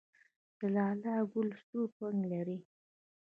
د لاله ګل سور رنګ لري